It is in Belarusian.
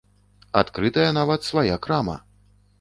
Адкрытая нават свая крама!